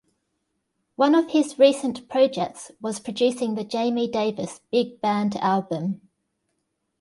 One of his recent projects was producing the Jamie Davis big band album.